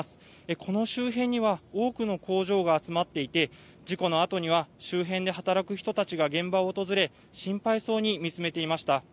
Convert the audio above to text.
この周辺には多くの工場が集まっていて、事故のあとには、周辺で働く人たちが現場を訪れ、心配そうに見つめていました。